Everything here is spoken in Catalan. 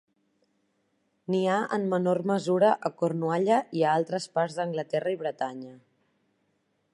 N'hi ha en menor mesura a Cornualla i a altres parts d'Anglaterra i Bretanya.